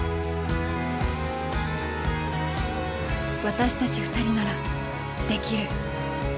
私たち２人ならできる。